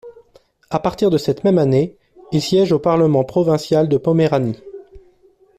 À partir de cette même année, il siège au parlement provincial de Poméranie.